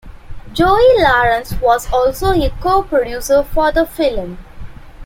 Joey Lawrence was also a co-producer for the film.